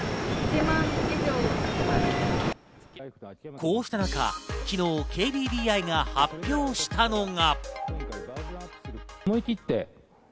こうした中、昨日ＫＤＤＩが発表したのが。